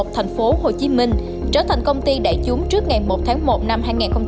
thành phố hồ chí minh trở thành công ty đại chúng trước ngày một tháng một năm hai nghìn hai mươi